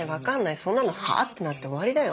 そんなの「はぁ？」ってなって終わりだよ。